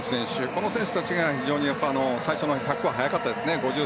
この選手たちが最初の１００は速かったですね。